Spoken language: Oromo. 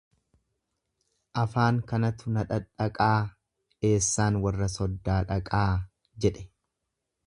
Afaan kanatu na dhadhaqaa eessaan warra soddaa dhaqaa jedhe.